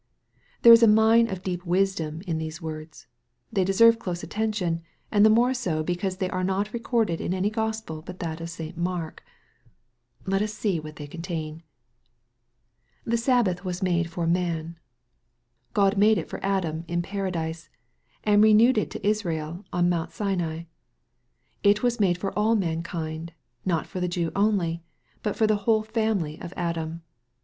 There is a mine of deep wisdom, in those words. They deserve close attention, and the more so because thej are not recorded in any Gospel but that of St. Mark. Let us see what they contain. " The Sabbath was made for man." God made it for Adam in Paradise, and renewed it to Israel on Mount Sinai. It was made for all mankind, not for the Jew only, but for the whole family of Adam.